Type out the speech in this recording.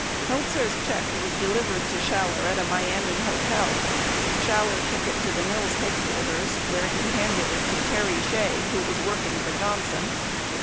Heltzer's check was delivered to Schaller at a Miami hotel ; Schaller took it to the Mills headquarters where he handed it to Terry Shea who was working for Johnson.